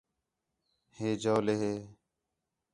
ہے جَولے ہے